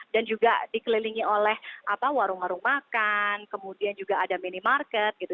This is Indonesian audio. dan juga dikelilingi oleh warung warung makan kemudian juga ada minimarket gitu